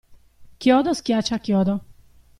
Chiodo schiaccia chiodo.